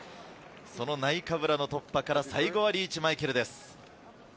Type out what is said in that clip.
ナイカブラの突破から最後はリーチ・マイケルです。